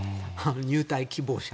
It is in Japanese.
入隊希望者。